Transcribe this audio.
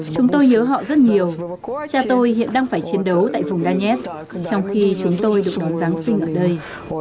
chúng tôi nhớ họ rất nhiều cha tôi hiện đang phải chiến đấu tại vùng danet trong khi chúng tôi được đón giáng sinh ở đây